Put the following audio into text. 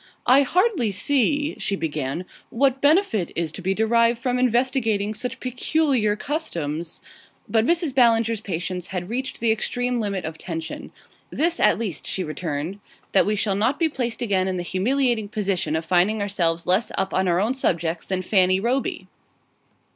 "I hardly see," she began, "what benefit is to be derived from investigating such peculiar customs " But Mrs. Ballinger's patience had reached the extreme limit of tension. "This at least," she returned; "that we shall not be placed again in the humiliating position of finding ourselves less up on our own subjects than Fanny Roby!"